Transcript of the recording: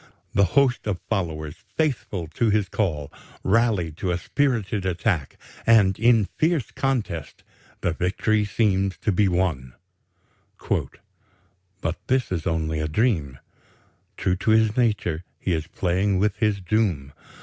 The hosts of followers, faithful to his call, rally to a spirited attack, and in fierce contest the victory seems to be won. "But this is only a dream. True to his nature, he is playing with his doom.